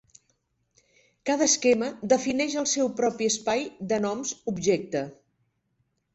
Cada esquema defineix el seu propi espai de noms objecte.